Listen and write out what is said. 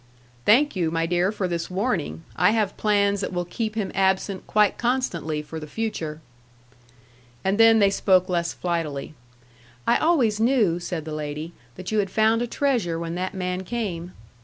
"Thank you, my dear, for this warning. I have plans that will keep him absent quite constantly for the future." And then they spoke less flightily. "I always knew," said the lady, "that you had found a treasure when that man came."